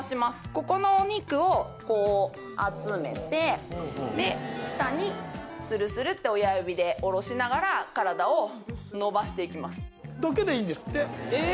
ここのお肉をこう集めてで下にスルスルって親指で下ろしながら体を伸ばしていきます